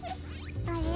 あれ？